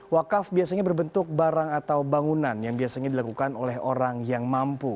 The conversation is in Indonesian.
wakaf biasanya berbentuk barang atau bangunan yang biasanya dilakukan oleh orang yang mampu